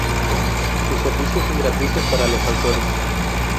Sus servicios son gratuitos para los autores.